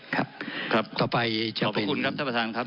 ครับขอบคุณครับท่านประธานครับ